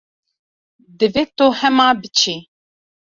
Divê tu hema biçî.